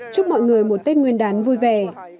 chúc mọi người một tết nguyên đán vui vẻ